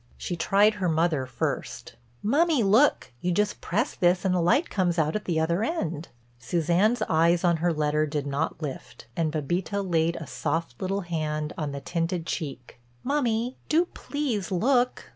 She tried her mother first: "Mummy, look. You just press this and the light comes out at the other end." Suzanne's eyes on her letter did not lift, and Bébita laid a soft little hand on the tinted cheek: "Mummy, do please look."